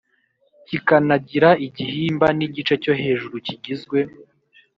kikanagira igihimba n igice cyo hejuru kigizwe